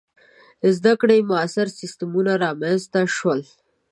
• د زده کړې معاصر سیستمونه رامنځته شول.